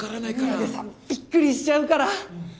宮部さんびっくりしちゃうから！